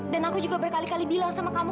dan aku juga berkali kali bilang sama kamu